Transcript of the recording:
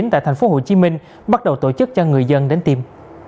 tại thành phố hồ chí minh bắt đầu tổ chức cho người dân đến tiêm